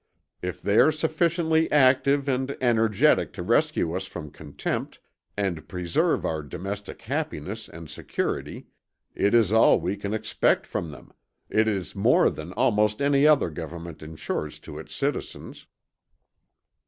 If they are sufficiently active and energetic to rescue us from contempt, and preserve our domestic happiness and security, it is all we can expect from them it is more than almost any other government insures to its citizens."